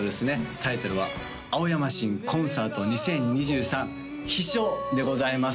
タイトルは「青山新コンサート２０２３飛翔」でございます